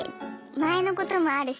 前のこともあるし。